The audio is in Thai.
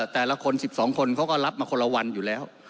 แต่ละคน๑๒คนเขาก็รับมาคนละวันอยู่แล้ว